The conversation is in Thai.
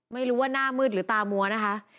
ไม่รู้ว่าหน้ามืดหรือตามัวนะคะ